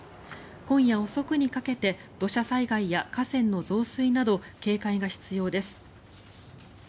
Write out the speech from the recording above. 今夜遅くにかけて土砂災害や河川の増水など警戒が必要です。